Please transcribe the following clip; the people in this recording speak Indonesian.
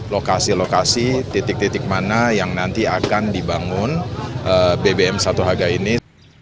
lokasi lokasi titik titik mana yang nanti akan dibangun bbm satu harga ini